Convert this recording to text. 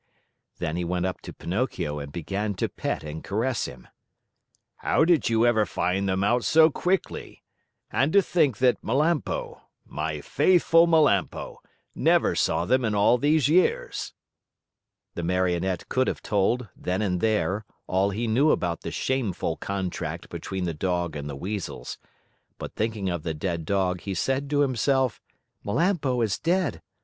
Then he went up to Pinocchio and began to pet and caress him. "How did you ever find them out so quickly? And to think that Melampo, my faithful Melampo, never saw them in all these years!" The Marionette could have told, then and there, all he knew about the shameful contract between the dog and the Weasels, but thinking of the dead dog, he said to himself: "Melampo is dead.